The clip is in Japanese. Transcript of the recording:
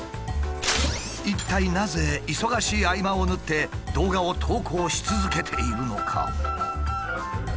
一体なぜ忙しい合間を縫って動画を投稿し続けているのか？